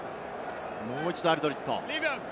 もう一度アルドリット。